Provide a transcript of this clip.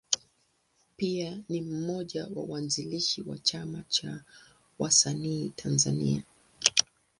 Pia ni mmoja ya waanzilishi wa Chama cha Wasanii Tanzania.